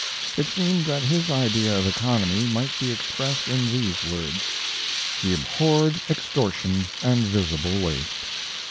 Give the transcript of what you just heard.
It seemed that his idea of economy might be expressed in these words: He abhorred extortion and visible waste.